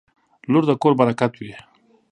• لور د کور برکت وي.